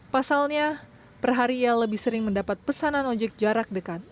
pasalnya perhari ia lebih sering mendapat pesanan ojek jarak dekat